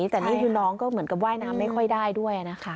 แต่นี่คือน้องก็เหมือนกับว่ายน้ำไม่ค่อยได้ด้วยนะคะ